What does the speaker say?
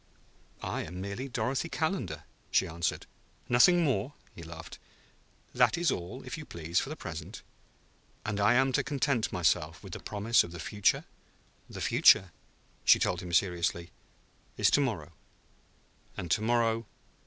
"I am merely Dorothy Calendar," she answered. "Nothing more?" He laughed. "That is all, if you please, for the present." "I am to content myself with the promise of the future?" "The future," she told him seriously, "is to morrow; and to morrow